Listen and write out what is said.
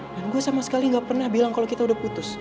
dan gue sama sekali gak pernah bilang kalau kita udah putus